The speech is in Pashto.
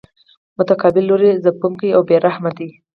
مقابل لوری ځپونکی او بې رحمه دی.